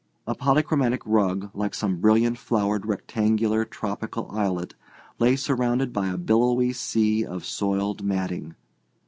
A polychromatic rug like some brilliant flowered rectangular, tropical islet lay surrounded by a billowy sea of soiled matting.